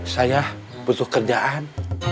saya butuh kerjaan